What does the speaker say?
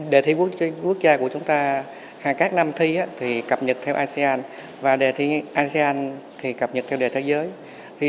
đề thi quốc gia của chúng ta các năm thi cập nhật theo asean và đề thi asean thì cập nhật theo đề thế giới